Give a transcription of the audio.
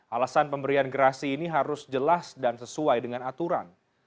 alasan pemberian gerasi ini harus jelas dan sesuai dengan aturan